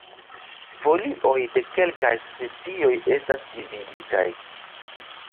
Folioj de kelkaj specioj estas dividitaj.